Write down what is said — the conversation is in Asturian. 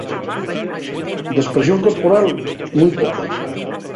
D'espresión corporal, mui poca.